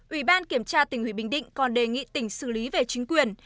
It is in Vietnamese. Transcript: ủy ban kiểm tra tỉnh hủy bình định còn đề nghị tỉnh xử lý về chính quyền